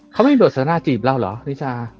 เค้าไม่โดสนาจีบเราหรอนิชา